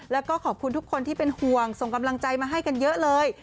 แล้วก็ขอบคุณทุกคนที่เป็นห่วงส่งกำลังใจมาให้กันเยอะเลย